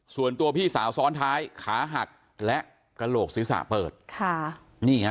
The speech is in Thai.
ส่วนตัวพี่สาวซ้อนท้ายขาหักและกระโหลกศีรษะเปิดค่ะนี่ฮะ